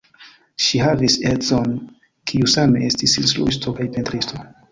Ŝi havis edzon, kiu same estis instruisto kaj pentristo.